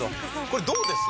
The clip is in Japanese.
これどうです？